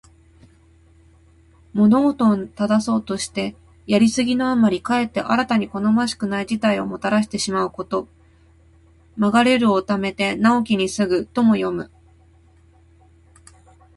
物事を正そうとして、やりすぎのあまりかえって新たに好ましくない事態をもたらしてしまうこと。「枉れるを矯めて直きに過ぐ」とも読む。